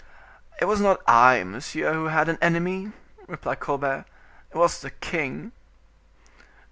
"It was not I, monsieur, who had an enemy," replied Colbert; "it was the king."